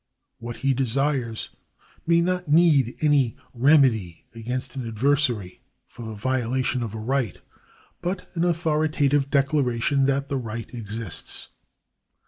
What he desires may be not any remedy against an adversary for the violation of a right, but an authoritative declaration that the right exists.